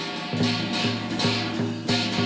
เสาคำยันอาวุธิ